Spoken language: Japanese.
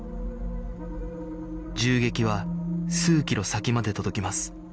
銃撃は数キロ先まで届きます